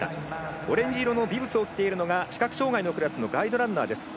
オレンジ色のビブスをつけているのが視覚障がいのクラスのガイドランナーです。